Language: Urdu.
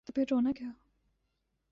تو پھر رونا کیا؟